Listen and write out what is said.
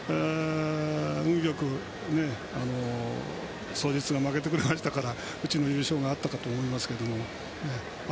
運よく早実が負けてくれましたからうちの優勝があったかと思いましたが。